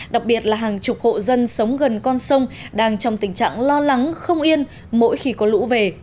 đặc biệt là hàng chục hộ dân sống gần con sông đang trong tình trạng lo lắng không yên mỗi khi có lũ về